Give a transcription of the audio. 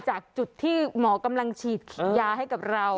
จากจุดที่หมอกำลังฉีดยาให้กับเรา